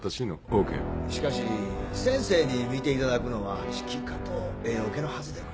しかし先生に見ていただくのは指揮科とＡオケのはずでは？